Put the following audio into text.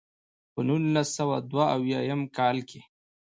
پۀ نولس سوه دوه اويا يم کال کښې